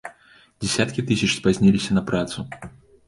Дзясяткі тысяч спазніліся на працу.